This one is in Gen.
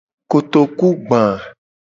Kotokugba.